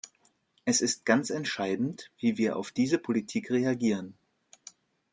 Es ist ganz entscheidend, wie wir auf diese Politik reagieren.